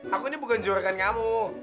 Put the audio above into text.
aku ini bukan juaragan kamu